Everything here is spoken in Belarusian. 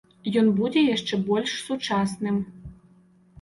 Ён будзе яшчэ больш сучасным.